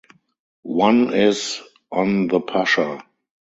One is "On the Pascha".